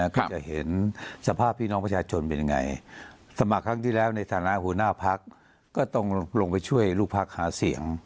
ก็จะเห็นสภาพพี่น้องประชาชนเป็นยังไง